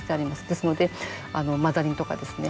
ですので、マダニとかですね